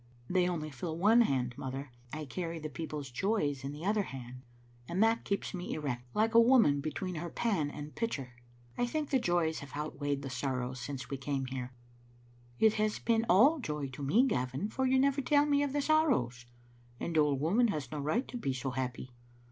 '• They only fill one hand, mother ; I carry the people's joys in the other hand, and that keeps me erect, like a woman between her pan and pitcher. I think the joys have outweighed the sorrows since we came here." " It has been all joy to me, Gavin, for you never tell me of the sorrows. An old woman has no right to be so happy."